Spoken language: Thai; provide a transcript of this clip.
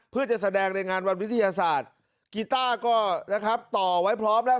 เพื่อจะแสดงในงานวันวิทยาศาสตร์กีต้าก็นะครับต่อไว้พร้อมแล้ว